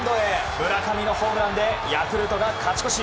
村上のホームランでヤクルトが勝ち越し。